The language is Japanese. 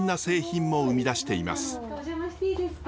お邪魔していいですか？